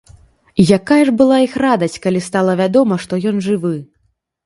І якая ж была іх радасць, калі стала вядома, што ён жывы.